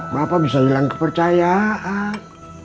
bapak bisa hilang kepercayaan